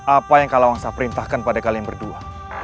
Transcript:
apa yang kalawangsa perintahkan pada kalian berdua